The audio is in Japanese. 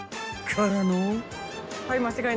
［からの］